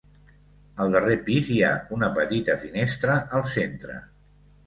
Al darrer pis hi ha una petita finestra al centre.